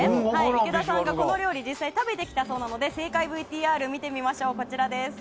池田さんが、この料理を実際に食べてきたそうなので正解ＶＴＲを見てみましょう。